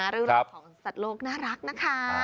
เรื่องราวของสัตว์โลกน่ารักนะคะ